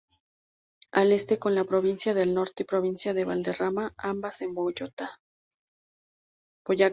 Al este, con la Provincia del Norte y Provincia de Valderrama, ambas en Boyacá.